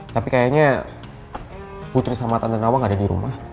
tapi kayaknya putri sama tante nawang gak ada dirumah